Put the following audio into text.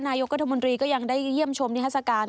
นายกรกธมรียังได้เยี่ยมชมนิฮาศการ